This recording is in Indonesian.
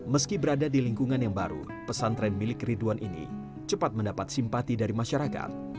meski berada di lingkungan yang baru pesantren milik ridwan ini cepat mendapat simpati dari masyarakat